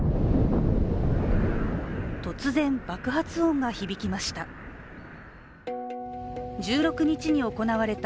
突然、爆発音が響きました。